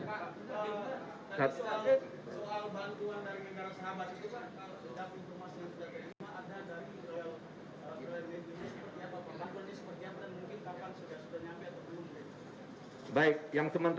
soal bantuan dari bintang sahabat itu